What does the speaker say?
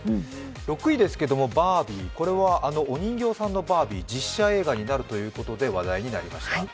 ６位ですけども、Ｂａｒｂｉｅ、これはお人形さんのバービーが実写映画になるということで話題になりました。